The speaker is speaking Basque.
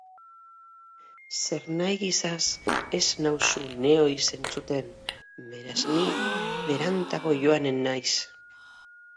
Zernahi gisaz ez nauzu nehoiz entzuten, beraz ni berantago joanen naiz.